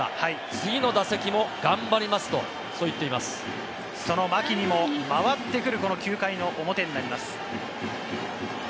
次の打席も頑張りますと、そう言その牧にも回ってくる、この９回の表になります。